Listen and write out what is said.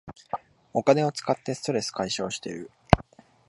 お金を使ってストレス解消してる